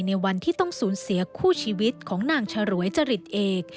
ในวันที่ต้องสูญเสียคู่ชีวิตของนางฉรวยจริตเอก